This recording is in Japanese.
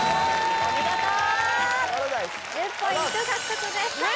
お見事１０ポイント獲得ですさあ